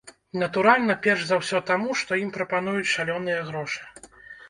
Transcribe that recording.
Натуральна, перш за ўсё таму, што ім прапануюць шалёныя грошы.